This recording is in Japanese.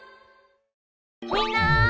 みんな！